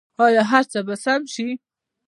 آیا هر څه به سم شي؟